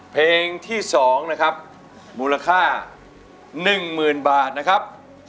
เพลงที่สองนะครับมูลค่าหนึ่งหมื่นบาทนะครับ